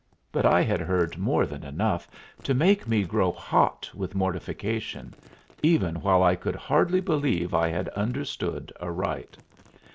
But I had heard more than enough to make me grow hot with mortification, even while I could hardly believe I had understood aright.